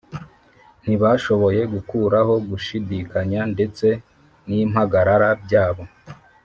ntibashoboye gukuraho gushidikanya ndetse n’impagarara byabo